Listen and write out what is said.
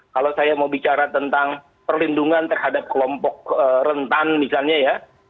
kalau saya mau bicara tentang perlindungan terhadap kelompok rentan misalnya ya